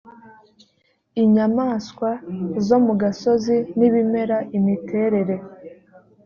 inyamaswa zo mu gasozi n ibimera imiterere